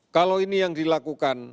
kalau ini yang dilakukan